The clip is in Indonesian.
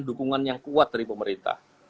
dukungan yang kuat dari pemerintah